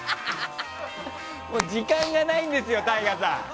時間がないんですよＴＡＩＧＡさん。